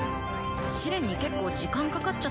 試練に結構時間かかっちゃったし。